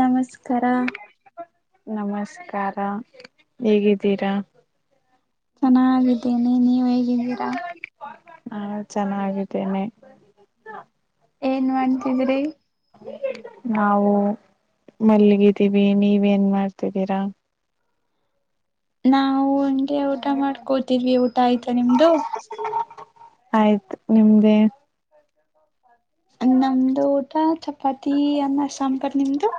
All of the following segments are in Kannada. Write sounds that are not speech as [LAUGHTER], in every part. ನಮಸ್ಕಾರಾ ನಮಸ್ಕಾರ ಹೇಗಿದ್ದೀರಾ ಚೆನ್ನಾಗಿದ್ದೀನಿ ನೀವ್ ಹೇಗಿದ್ದೀರಾ ಹಾ ಚೆನ್ನಾಗಿದ್ದೇನೆ ಏನ್ ಮಾಡ್ತಿದ್ರಿ ನಾವು ಮಲ್ಲಿಗಿದ್ದೀವಿ ನೀವ ಏನ್ ಮಾಡ್ತಿದ್ದೀರಾ ನಾವು ಹಂಗೆ ಊಟ ಮಾಡ್ಕೋತಿದ್ವಿ ಊಟ ಆಯ್ತಾ ನಿಮ್ದು ಆಯ್ತು ನಿಮ್ದೇ ನಮ್ದು ಊಟ ಚಪಾತಿ ಅನ್ನ ಸಾಂಬಾರು ನಿಮ್ದು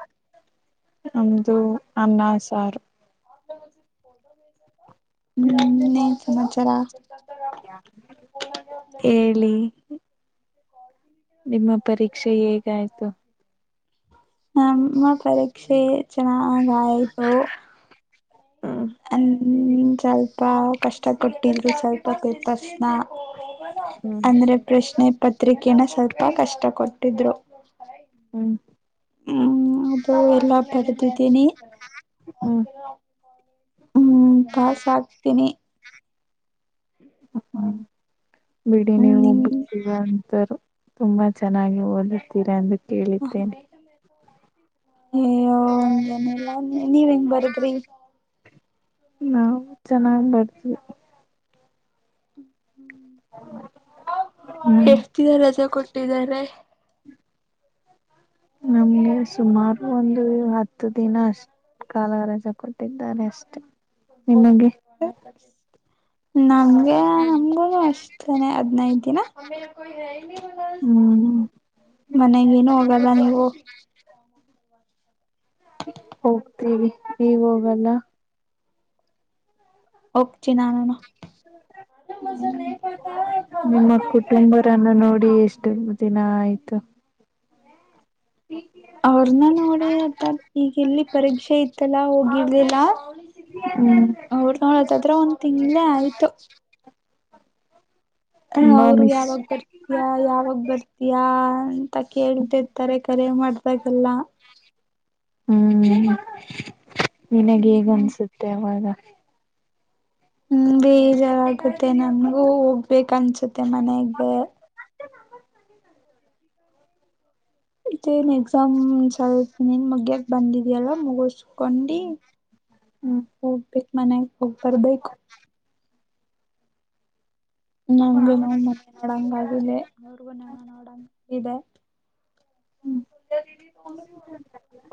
ನಮ್ದು ಅನ್ನಾ ಸಾರು [UNINTELLIGIBLE] ಹೇಳಿ ನಿಮ್ಮ ಪರೀಕ್ಷೆ ಹೇಗಾಯ್ತು ನಮ್ಮ ಪರೀಕ್ಷೆ ಚೆನ್ನಾಗ ಆಯ್ತು ಹ್ಮ್ ಹ ಸ್ವಲ್ಪ ಕಷ್ಟ ಕೊಟ್ಟಲ್ರು ಸ್ವಲ್ಪ ಪೇಪರ್ಸ್ ನಾ ಹ್ಮ್ ಅಂದ್ರೆ ಪ್ರಶ್ನೆ ಪತ್ರಿಕೆನ ಸ್ವಲ್ಪ ಕಷ್ಟ ಕೊಟ್ಟಿದ್ರು ಹ್ಮ್ ಹ್ಮ್ ಅದು ಎಲ್ಲಾ ಬಡೆದಿದ್ದೀನಿ ಹ್ಮ ಹ್ಮ್ ಪಾಸ್ ಆಕ್ತೀನಿ ಹ್ಮ ಬಿಡಿ ಹ್ಮ್ ನೀವು ನಿಮ್ ಒಬೀರ ತುಂಬಾ ಚೆನ್ನಾಗಿ ಓದುತ್ತೀರಾ ಎಂದು ಕೇಳಿದ್ದೇನೆ ಯೋ ಹಂಗೇನಿಲ್ಲ ನೀ ನೀವ್ ಹೆಂಗ್ ಬರದ್ರಿ ನಾವು ಚೆನ್ನಾಗ್ ಬರ್ದವಿ ಹೌ ಎಷ್ಟ ದಿನ ರಜಾ ಕೊಟ್ಟಿದ್ದಾರೆ ನಮ್ಗೆ ಸುಮಾರು ಒಂದು ಹತ್ತು ದಿನ ಅಷ್ಟು ಕಾಲರಜೆ ಕೊಟ್ಟಿದ್ದಾರೆ ಅಷ್ಟೇ ಉದಬೋಧ ನಮಗೆ ನಮಗ ಅಷ್ಟನೆ ಹದ್ಿನೈದು ದಿನ ಹ್ಮ್ ಮನಗ ಏನುೂ ಹೋಗಲ್ಲ ನೀವು ಹೋಗ್ತೀವಿ ನೀವ ಹೋಗಣ ಚೆ ನಾನಣ ನಿಮ್ಮ ಕುಟುಂಬರನ್ನು ನೋಡಿ ಎಷ್ಟು ದಿನ ಆಯ್ತು ಹ್ಮ ಅವ್ರನ್ನ ನೋಡಿ ಆತ ಈಗ ಎಲ್ಲಿ ಪರೀಕ್ಷೆ ಇತ್ತಲ್ಲಾ ಹೋಗಿರ್ದಿಲ್ಲ ಹ್ಮ್ ಡ್ ನೋಡದಾದ್ರೆ ಒಂದ್ ತಿಂಗ್ಳೇ ಆಯ್ತು ಹ ತುಂಬಾ ಅವರು ಮಿಸ್ ಯಾವಾಗ ಬರ್ತಯ ಯಾವಾಗ ಬರ್ತಯ ಅಂತ ಕೇಳ್ತಿಿರ್ತಾರೆ ಕರೆ ಮಾಡ್ದಾಗೆಲ್ಲ ಹ್ಮ್ ನಿನಗೆ ಹೇಗ ಹ್ಮ್ ಅನ್ಸುತ್ತೆ ಅವಾಗ ಹ್ಮ ಬೇಜಾರಗುತ್ತೆ ನನ್ಗೂ ಹೋಗ್ಬೇಕ ಅನ್ಸುತ್ತೆ ಮನೆಗೆ ತ್ತ ಏನ್ ಎಕ್ಸಾಮ್ ಸರ್ ನಿನ್ ಮಗ್ಯಕ ಬಂದಿದ್ಯಲ್ಲ ಮುಗೋಸು ಹಕೊಂಡಿ ಹ್ಮ್ ಹೋಗ್ಬೇಕ ಮನೆಗ್ ಹೋಗ್ ಬರ್ಬೇಕು ನಂಗು ನ ಮನೆ ನೋಡಂಗಗಿದೆ ಅವ್ರಗು ನಂಗ ನೋಡಂಗಿದೆ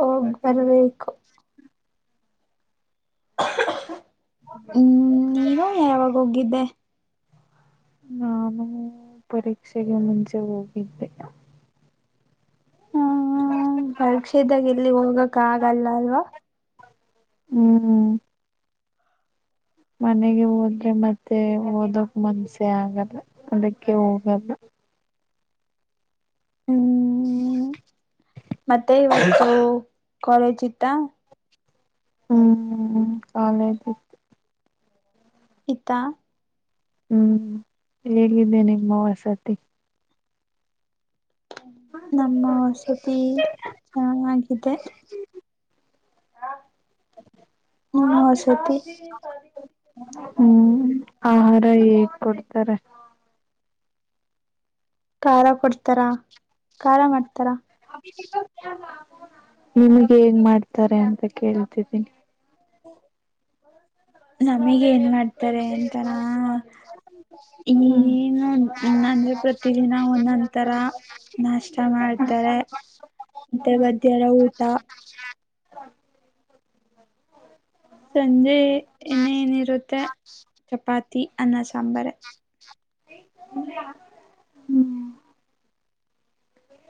ಓ ಬರಬೇಕಕ್ಕು ಹ್ಮ್ ನೀನು ಯಾವಾಗ ಹೋಗಿದ್ದೆ ನಾನು ಪರೀಕ್ಷೆಗೆ ಮುಂಚೆ ಹೋಗಿದ್ದೆ ಹ್ಮ ಪರೀಕ್ಷೆದಾಗ ಎಲ್ಲಿ ಹೋಗಕ ಆಗಲ್ಲ ಅಲ್ವಾ ಹ್ಮ್ ಮನೆಗೆ ಹೋದ್ರೆ ಮತ್ತೆ ಓದಕ್ ಮನ್ಸ ಅ ಆಗಲ್ಲ ಅದಕ್ಕೆ ಹೋಗಲ್ಲ ಹ್ಮ್ [INAUDIBLE] ಮತ್ತೆ ಇವಾಗ ಕಾಲೇಜ್ ಇತ್ತ ಹ್ಮ್ ಕಾಲ ಆತತ್ತು ಇಿತಾ ಹ್ಮ್ ಹೇಗಿದೆೇ ನಿಮ್ಮವಸತಿ ನಮ್ಮ ವಸತಿ ಚೆನ್ನಾಗಿದೆ ಹ್ಮ್ ಸತಿ ಹ್ಮ್ ಆಹಾರ ಹೇಗ್ ಕೊಡ್ತಾರೆ ಖಾರ ಕೊಡ್ತಾರ ಖಾರ ಮಾಡ್ತಾರ ನಿಮ್ಗೆ ಹೇಂಗ ಮಾಡ್ತಾರೆ ಅಂತ ಕೇಳ್ತಿದ್ದೀನಿ ನಮಗ ಏನ್ ಮಾಡ್ತಾರೆ ಅಂತಾನ ನು ಅಂದ್ರೆ ಪ್ರತಿದಿನ ಒಂದೊಂದ ತರ ನಾಷ್ಟ ಮಾಡ್ತಾರೆ ಮತ್ತೆ ಗದ್ಯರ ಊಟ ಸಂಜೆ ನೇ ಏನಿರುತ್ತೆ ಚಪಾತಿ ಅನ್ನ ಸಾಂಬಾರ ಹ್ಮ್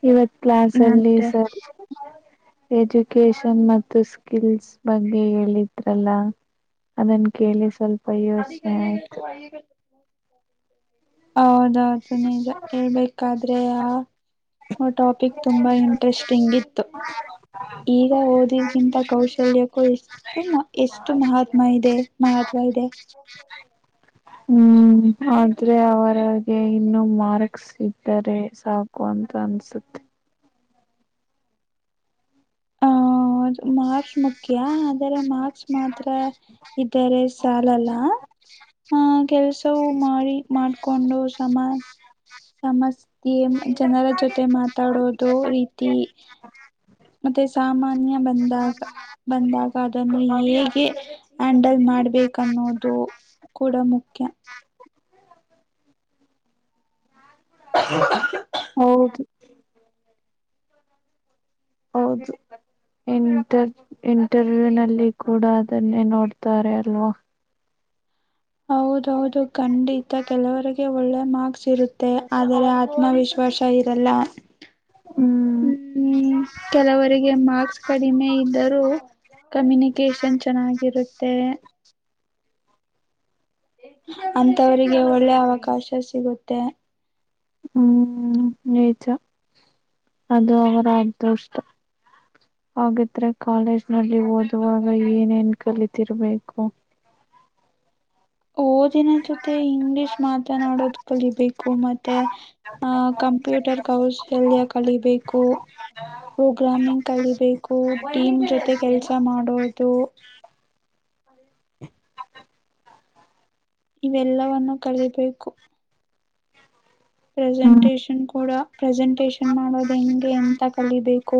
ಇವತ್ ಕ್ಲಾಸ್ ಅಲ್ಲಿ ಅಂದ್ರೆ ಸ ಎಜುಕೇಶನ್ ಮತ್ತು ಸ್ಕಿಲ್ಸ್ ಬಗ್ಗೆ ಹೇಳಿದ್ರಲ್ಲ ಅದನ್ ಕೇಳಿ ಸ್ವಲ್ಪ ಯೋಚನೆ ಆಯ್ತು ಹೌದೌದು ನಿಜ ಹೇಳ್ಬೇಕಾದ್ರೆ ಆ ಟಾಪಿಕ್ ತುಂಬಾ ಇಂಟ್ರೆಸ್ಟಿಂಗ್ ಇತ್ತು ಈಗ ಓದಿದ್ಗಿಂತ ಕೌಶಲ್ಯಕ್ಕೂ ಎಷ್ಟು ಎಷ್ಟು ಮಹಾತ್ಮ ಇದೆ ಮಹಾತ್ಮ ಹ ಇದೆ ಹ್ಮ್ ಆದ್ರೆ ಅವರಗೆ ಇನ್ನು ಮಾರ್ಕ್ಸ್ ಇದ್ದಾರೆ ಸಾಕು ಅಂತ ಸ ಆ ಮಾರ್ಕ್ಸ್ ಮುಖ್ಯ ಆದರೆ ಮಾರ್ಕ್ಸ್ ಮಾತ್ರ ಇದ್ದರೆ ಸಾಲಲ್ಲ ಆಹ ಕೆಲ್ಸವು ಮಾಡಿ ಮಾಡ್ಕೊಂಡು ಸಮ ಸಮಸ್ ಜನರ ಜೊತೆ ಮಾತಾಡೋದು ರೀತಿ ಮತ್ತೆ ಸಾಮಾನ್ಯ ಬಂದಾಗ ಬಂದಾಗ ಅದನ್ನು ಹ್ಯಾಂಡಲ್ ಮಾಡ್ಬೇಕನ್ನೋದು ಕೂಡ ಮುಖ್ಯ ಹ ಹೌದು ಇಂಟರ್ವ್ಯೂ ನಲ್ಲಿ ಕೂಡ ಅದನ್ನೇ ನೋಡ್ತಾರೆ ಅಲ್ವಾ ಹೌದೌದು ಖಂಡಿತ ಕೆಲವರಿಗೆ ಒಳ್ಳೆ ಮಾರ್ಕ್ ರುತ್ತೆ ಆದರೆ ಆತ್ಮವಿಶ್ವಾಸ ಇರಲ್ಲ ಹ್ಮ್ ಹ್ಮ್ ಕೆಲವರಿಗೆ ಮಾರ್ಕ್ಸ್ ಕಡಿಮೆ ಇದ್ದರೂ ಕಮ್ಯುನಿಕೇಶನ್ ಚೆನ್ನಾಗಿರುತ್ತೆ ಅಂತವರಿಗೆ ಒಳ್ಳೆ ಅವಕಾಶ ಸಿಗುತ್ತೆ ಹ್ಮ್ ಈಚ ಅದು ಅವರ ಆದೋಷ್ಟ ಹಾಗಿದ್ರೆ ಕಾಲೇಜ್ ನಲ್ಲಿ ಓದುವಾಗ ಏನೇನ್ ಕಲಿತಿರ್ಬೇಕು ಓದಿನ ಜೊತೆ ಇಂಗ್ಲಿಷ್ ಮಾತನಾಡೋದು ಕಲಿಬೇಕು ಮತ್ತೆ ಆ ಕಂಪೂ ಕಂಪ್ಯೂಟರ್ ಕೌಶಲ್ಯ ಕಲಿಬೇಕು ಪ್ರೋಗ್ರಾಮಿಂಗ್ ಕಲಿಬೇಕು ಟೀಮ್ ಜೊತೆ ಕೆಲಸ ಮಾಡೋದು ಇವೆಲ್ಲವವನ್ನು ಕಲಿಬೇಕು ಹ್ಮ್ ಪ್ರೆಸೆಂಟೇಷನ್ ಕೂಡ ಪ್ರೆಸೆಂಟೇಷನ್ ಮಾಡೋದು ಹೆಂಗೆ ಎಂತ ಕಲಿಬೇಕು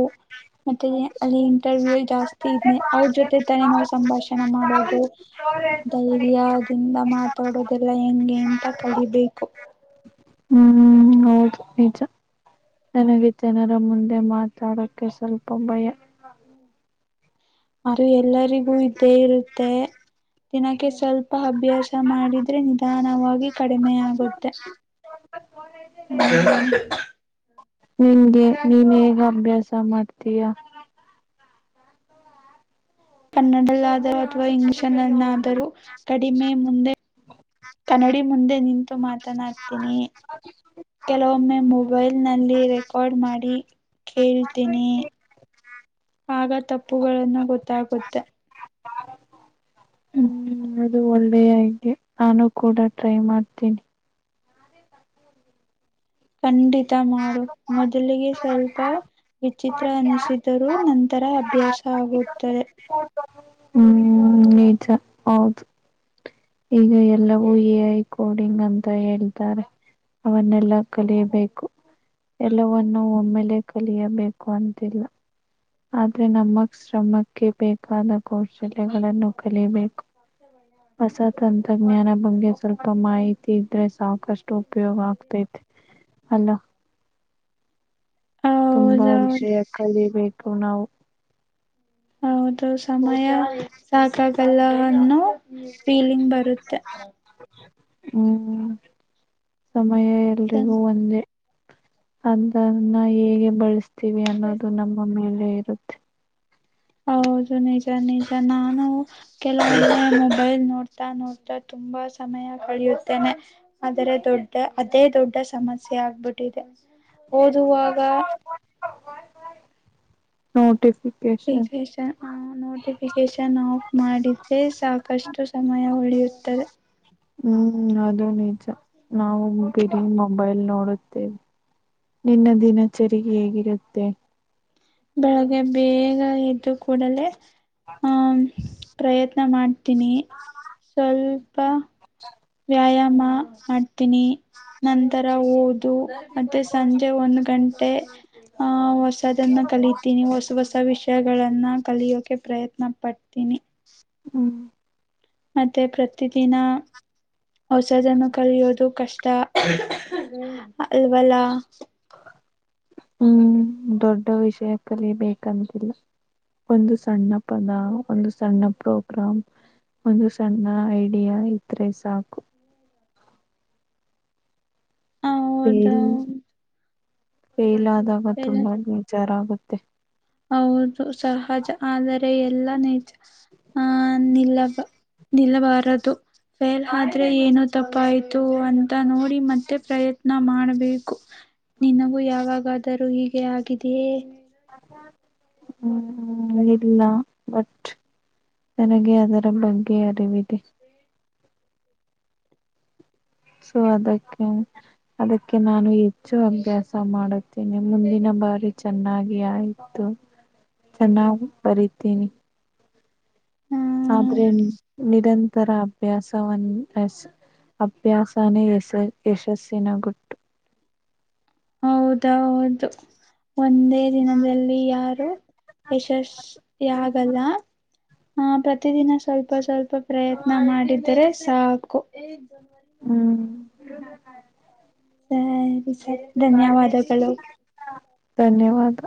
ಮತ್ತೆ ಅಲ್ಲಿ ಇಂಟರ್ವ್ಯೂ ಜಾಸ್ತಿ ಇದೆ ಅವ್ರ ಜೊತೆ ತಾನ ನಾವು ಸಂಭಾಷಣೆ ಮಾಡೋದು ಧೈರ್ಯದಿಂದ ಮಾತ್ರ ತೊಡೋದೆಲ್ಲ ಹೆಂಗೆ ಅಂತ ಕಲಿಬೇಕು ಹ್ಮ್ ಹೌದು ನಿಜ ನನಗೆ ಜನರ ಮುಂದೆ ಮಾತಾಡೋಕ್ಕೆ ಸ್ವಲ್ಪ ಭಯ ಅದು ಎಲ್ಲರಿಗೂ ಇದ್ದೇ ಇರುತ್ತೆ ದಿನಾಕ್ಕೆ ಸ್ವಲ್ಪ ಅಭ್ಯಾಸ ಮಾಡಿದ್ರೆ ನಿಧಾನವಾಗಿ ಕಡಿಮೆ ಆಗುತ್ತೆ ಹ ಹ್ಮ್ ನಿನ್ಗೆ ನೀನ್ಗ ಅಭ್ಯಾಸ ಮಾಡ್ತೀಯಾ ಕನ್ನಡಲ್ಲದೆ ರೋ ಶನನ್ನಾದರೂ ಕಡಿಮೆ ಮುಂದೆ ಕನ್ನಡಿ ಮುಂದೆ ನಿಂತು ಮಾತ್ರ ತ ಆಡ್ತೀನಿ ಹ ಕೆಲೊಮ್ಮೆ ಮೊಬೈಲ್ ನಲ್ಲಿ ರೆಕಾರ್ಡ್ ಮಾಡಿ ಕೇಳ್ತೀನಿ ಆಗ ತಪ್ಪುಗಳನ್ನು ಗೊತ್ತಾಗುತ್ತೆ ಹ್ಮ್ ಅದು ಒಳ್ಳೆಯೆ ನಾನು ಕೂಡ ಟ್ರೈ ಮಾಡ್ತೀನಿ ಖಂಡಿತ ಮಾಡು ಮೊದಲಿಗೆ ಸ್ವಲ್ಪ ವಿಚಿತ್ರ ಅನಿಸಿದರೂ ನಂತರ ಅಭ್ಯಾಸ ಆಗುತ್ತದೆ ಹ್ಮ್ ನೀಚ ಹೌದು ಈಗ ಎಲ್ಲವೂ ಎ ಐ ಕೋಡಿಂಗ್ ಅಂತ ಹೇಳ್ತಾರೆ ಅವನ್ನೆಲ್ಲಾ ಕಲಿಯಬೇಕು ಎಲ್ಲವನ್ನೂ ಒಮ್ಮೆಲೆ ಕಲಿಯಬೇಕು ಅಂತಿಲ್ಲ ಆದ್ರೆ ನಮ್ಮ ಶ್ರಮಕ್ಕೆ ಬೇಕಾದ ಕೌಶಲ್ಯಗಳನ್ನು ಕಲಿಬೇಕು ಬಸ ತಂತ್ರಜ್ಞಾನ ಬಗ್ಗೆ ಸ್ವಲ್ಪ ಮಾಹಿತಿ ಇದ್ರೆ ಸಾಕಷ್ಟು ಉಪಯೋಗ ಆಗ್ತೈತೆ ಅಲ್ಲ ತುಂಬಾ ಹೌದೌದು ವಿಷಯ ಕಲಿಬೇಕು ನಾವು ಹೌದು ಸಮಯ ಸಾಕಾಗಲ್ಲನ್ನು ಫೀಲಿಂಗ್ ಬರುತ್ತೆ ಹ್ಮ್ ಸಮಯ ಸಂ ಎಲ್ರಿಗೂ ಒಂದೇ ಅದನ್ನ ಹೇಗೆ ಬಳಸ್ತೀವಿ ಅನ್ನೋದು ನಮ್ಮ ಮೇಲೆ ಇರುತ್ತೆ ಹೌದು ನಿಜ ನಿಜ ನಾನು ಕೆಲವೊಮ್ಮೆ ಮೊಬೈಲ್ ನೋಡ್ತಾ ನೋಡ್ತಾ ತು ತುಂಬಾ ಸಮಯ ಕಳೆಯುತ್ತೇನೆ. ಆದರೆ ದೊಡ್ಡ ಅದೇ ದೊಡ್ಡ ಸಮಸ್ಯೆ ಆಗ್ಬಿಟ್ಟಿದೆ. ಓದುವಾಗ ನೋಟಿಫ್ ಫಿಕೇಷನ್ ನೋಟಿಫಿಕೇಶನ್ ಆಫ್ ಮಾಡಿದ್ದೇ ಸಾಕಷ್ಟು ಸಮಯ ಉಳಿಯುತ್ತದೆ. ಹ್ಮ್ ಅದು ನಿಜ ನಾವು ಬರಿ ಮೊಬೈಲ್ ನೋಡ ತಿನಿ ನಿನ್ನ ದಿನಚರಿ ಹೇಗಿರತ್ತೆ? ಬೆಳಗ್ಗೆ ಬೇಗ ಎದ್ದು ಕೂಡಲೇ ಹ ಪ್ರಯತ್ನ ಮಾಡ್ತೀನಿ ಸ್ವಲ್ಪ ವ್ಯಾಯಾಮ ಮಾಡ್ತೀನಿ. ನಂತರ ಓದು ಮತ್ತೆ ಸಂಜೆ ಒಂದ್ ಗಂಟೆ ಆ ಹೊಸ ದನ್ನ ಕಲಿತೀನಿ ಹೊಸ ಹೊಸ ವಿಷಯಗಳನ್ನ ಕಲಿಯೋಕೆ ಪ್ರಯತ್ನ ಪಡ್ತೀನಿ. ಹ್ಮ್. ಮತ್ತೆ ಪ್ರತಿದಿನ ಹೊಸದನ್ನು ಕಲಿಯೋದು ಕಷ್ಟ ಅಲ್ವಲ್ಲ. [INAUDIBLE] ಹ್ಮ್ ದೊಡ್ಡ ವಿಷಯಕ್ಕಲಿ ಬೇಕಂತಿಲ್ಲ. ಒಂದು ಸಣ್ಣ ಪದ ಒಂದು ಸಣ್ಣ ಪ್ರೋಗ್ರಾಮ್ ಒಂದು ಸಣ್ಣ ಐಡಿಯಾ ಇದ್ರೆ ಸಾಕು. ಹೌದಾ ಫಲ್ ಫೇಲ್ ಆದಾಗ ತುಂಬ ವಿಚಾರ ಆಗುತ್ತೆ. ಹೌದು ಸಹಜ ಆದರೆ ಎಲ್ಲ ನಿಜ ಆ ನಿಲ್ಲ ನಿಲ್ಲಬಾರದು. ಫೇಲ್ ಆದ್ರೆ ಏನು ತಪ್ಪಾಯ್ತು ಅಂತ ನೋಡಿ ಮತ್ತೆ ಪ್ರಯತ್ನ ಮಾಡ್ಬೇಕು. ನಿನಗೂ ಯಾವಾಗಾದರೂ ಹೀಗೆ ಆಗಿದೆಯೇ? ಹ್ಮ ಇಲ್ಲ ಬಟ್ ನನಗೆ ಅದರ ಬಗ್ಗೆ ಅರಿವಿದೆ. ಸೊ ಅದಕ್ಕ ಅದಕ್ಕೆ ನಾನು ಹೆಚ್ಚು ಅಭ್ಯಾಸ ಮಾಡುತ್ತೇನೆ ಮುಂದಿನ ಬಾರಿ ಚೆನ್ನಾಗಿ ಆಯತು ಚೆನ್ನಾಗ್ ಬರಿತೀನಿ. ಹ್ಮ ಆದ್ರೆ ನಿರಂತರ ಅಭ್ಯಾಸ ವನ್ನುಸ್ ಅಭ್ಯಾಸನೇ ಯಸ ಯಶಸ್ಸಿನ ಗುಟ್ಟು. ಹೌದೌದು. ಒಂದೇ ದಿನದಲ್ಲಿ ಯಾರು ಯಶಸ್ವಿ ಆಗಲ್ಲ. ಹಾ ಪ್ರತಿದಿನ ಸ್ವಲ್ಪ ಸ್ವಲ್ಪ ಪ್ರಯತ್ನ ಮಾಡಿದರೆ ಸಾಕು. ಹ್ಮ್. ಬೈ ಗುಡ್ ನೈಟ್ ಧನ್ಯವಾದಗಳು. ಧನ್ಯವಾದ.